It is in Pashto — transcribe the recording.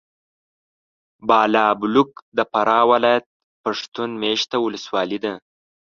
بالابلوک د فراه ولایت پښتون مېشته ولسوالي ده.